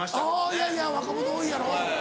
いやいや若者多いやろ。